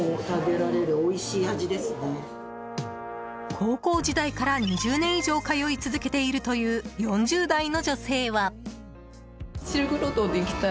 高校時代から２０年以上通い続けているという４０代の女性は。